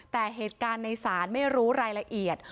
แต่เหตุการณ์ในศาลไม่รู้รายละเอียด